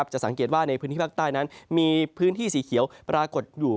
จะสังเกตว่าในพื้นที่ภาคใต้นั้นมีพื้นที่สีเขียวปรากฏอยู่